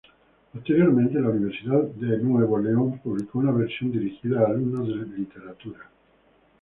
Posteriormente, la Universidad de Nuevo León publicó una versión dirigida a alumnos de literatura.